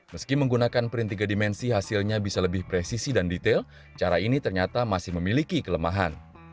meski menggunakan print tiga dimensi hasilnya bisa lebih presisi dan detail cara ini ternyata masih memiliki kelemahan